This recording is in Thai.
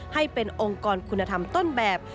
ให้เป็นองค์กรคุณธรรมต้นแบบ